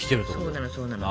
そうなのそうなの。